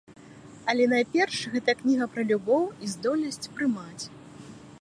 Але найперш гэтая кніга пра любоў і здольнасць прымаць.